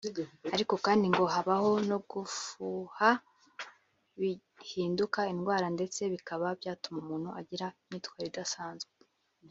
ariko kandi ngo habaho no gufuha bihinduka indwara ndetse bikaba byatuma umuntu agira imyitwarire idasanzwe